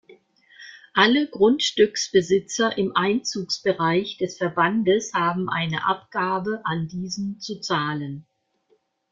Alle Grundstücksbesitzer im Einzugsbereich des Verbandes haben eine Abgabe an diesen zu zahlen.